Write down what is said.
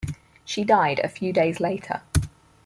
She died a few days later.